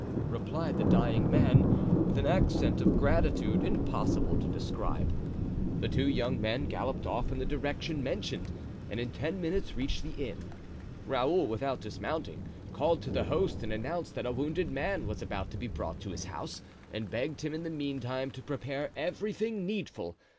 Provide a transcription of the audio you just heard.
replied the dying man, with an accent of gratitude impossible to describe. The two young men galloped off in the direction mentioned and in ten minutes reached the inn. Raoul, without dismounting, called to the host and announced that a wounded man was about to be brought to his house and begged him in the meantime to prepare everything needful.